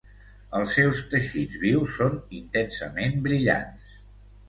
Els seus teixits vius són intensament brillants.